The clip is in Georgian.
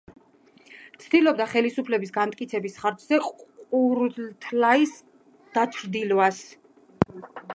ცდილობდა ხელისუფლების განმტკიცების ხარჯზე ყურულთაის დაჩრდილვას.